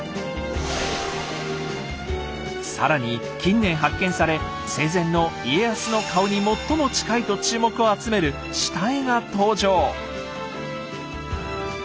更に近年発見され生前の「家康の顔」に最も近いと注目を集める「下絵」が登場。